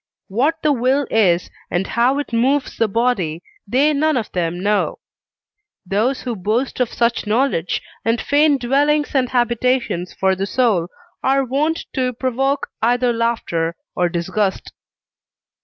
What the will is, and how it moves the body, they none of them know; those who boast of such knowledge, and feign dwellings and habitations for the soul, are wont to provoke either laughter or disgust.